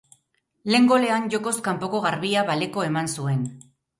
Lehen golean jokoz kanpoko garbia baleko eman zuen.